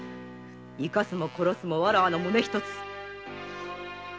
生かすも殺すもわらわの胸ひとつ！